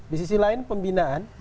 di sisi lain pembinaan